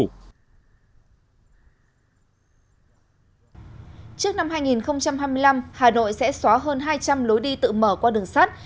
trước năm hai nghìn hai mươi năm hà nội sẽ xóa hơn hai trăm linh lối đi tự mở qua đường sắt